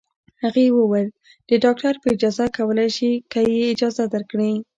هغې وویل: د ډاکټر په اجازه کولای شې، که یې اجازه درکړه.